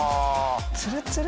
ツルツル？